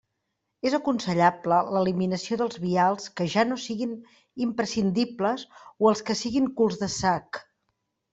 És aconsellable l'eliminació dels vials que ja no siguin imprescindibles o els que siguin culs de sac.